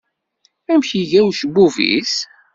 Amek iga ucebbub-is?